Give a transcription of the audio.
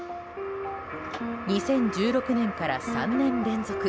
２０１６年から３年連続。